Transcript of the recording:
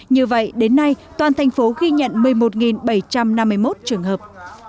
như vậy đến nay toàn thành phố ghi nhận một mươi một bảy trăm năm mươi một trường hợp